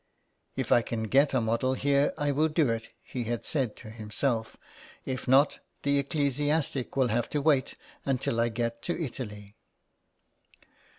If I can get a model here I will do it," he had said to himself. *' If not, the ecclesiastic will have to wait until I get to Italy."